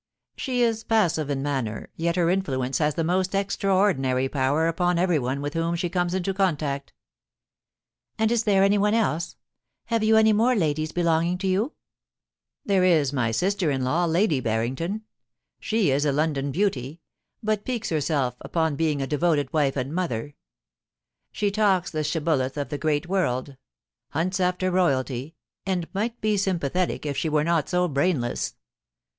She is passive in manner, yet her influence has the most extraordinary power upon everyone with whom she comes into contact.' * And is there anyone else ? Have you any more ladies belonging to you ?* i66 POLICY AND PASSION, * There is my sister in law, Lady Barrington. She is a London beauty, but piques herself upon being a devoted wife and mother. She talks the shibboleth of the great world : hunts after royalty, and might be sympathetic if she were not so brainless.